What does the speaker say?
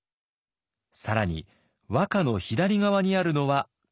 更に和歌の左側にあるのは漢詩。